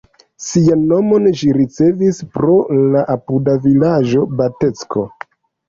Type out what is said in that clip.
Sian nomon ĝi ricevis pro la apuda vilaĝo Batecko.